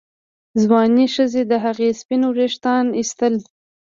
ځوانې ښځې د هغه سپین ویښتان ایستل.